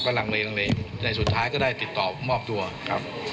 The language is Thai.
ก็ลังเลในสุดท้ายก็ได้ติดต่อมอบตัวครับ